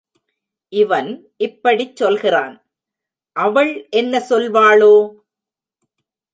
இவன் இப்படிச் சொல்கிறான் அவள் என்ன சொல்வாளோ?